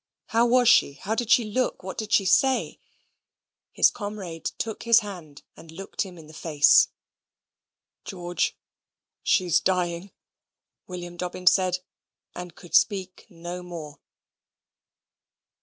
How was she? How did she look? What did she say? His comrade took his hand, and looked him in the face. "George, she's dying," William Dobbin said and could speak no more.